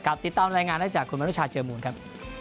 กลับติดตามรายงานได้จากคุณวันตุชาติเจอร์มูลครับ